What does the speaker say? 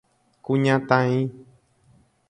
Kuñataĩ.